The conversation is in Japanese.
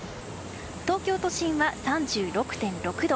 東京都心は３６．６度。